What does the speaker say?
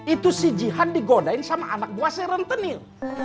itu si jihan digodain sama anak buah saya rentenil